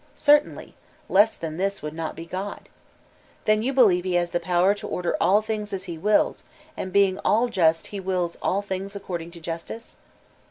''Certainly; less than this would not be God."* "Then you believe he has the power to order all things as he wills, and being all just he wiUs all things according to justice?